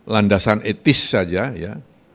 landasan etis saja ya